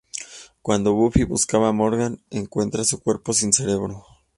Cuando Buffy busca a Morgan encuentra su cuerpo sin cerebro.